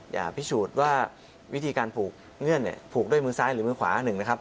อย่าพิสูจน์ว่าวิธีการผูกเงื่อนเนี่ยผูกด้วยมือซ้ายหรือมือขวาหนึ่งนะครับ